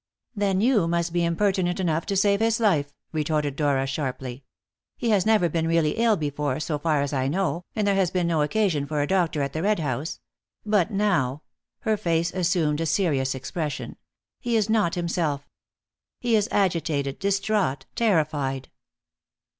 "Then you must be impertinent enough to save his life," retorted Dora sharply. "He has never been really ill before, so far as I know, and there has been no occasion for a doctor at the Red House. But now" her face assumed a serious expression "he is not himself. He is agitated, distraught, terrified."